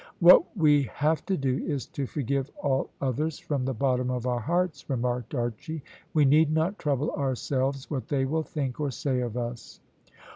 "What we have to do is to forgive all others from the bottom of our hearts," remarked Archy. "We need not trouble ourselves what they will think or say of us."